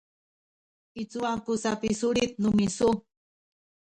i cuwa ku sapisulit nu misu?